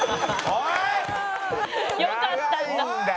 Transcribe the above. よかったんだ。